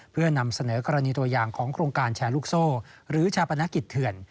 เพื่อนำเสนอกรณีตัวอย่างของโครงการแชร์ลูกโซ่หรือชาปนกิจเถื่อน